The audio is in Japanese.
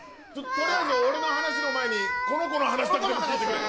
とりあえず俺の話の前にこの子の話だけでも聞いてくれ